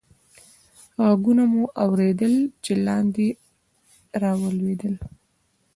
ږغونه مو اورېدل، چې لاندې رالوېدل.